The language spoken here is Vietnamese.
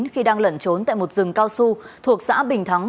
khi đang lẩn trốn tại một rừng cao su thuộc xã bình thắng